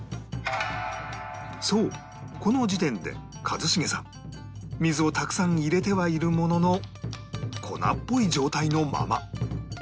そうこの時点で一茂さん水をたくさん入れてはいるものの粉っぽい状態のまま